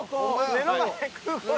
目の前が空港。